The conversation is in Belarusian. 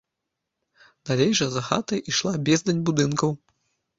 Далей жа, за хатай, ішла бездань будынкаў.